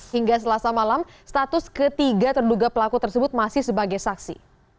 hingga selasa malam status ketiga terduga pelaku tersebut masih sebagai saksi